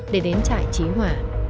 để đến trại chí hòa